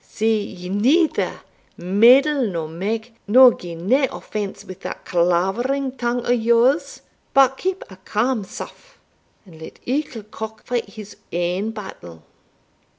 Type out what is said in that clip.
See ye neither meddle nor mak, nor gie nae offence wi' that clavering tongue o' yours, but keep a calm sough, and let ilka cock fight his ain battle."